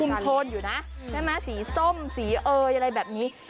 คุมโทนอยู่นะสีส้มสีเอออะไรแบบนี้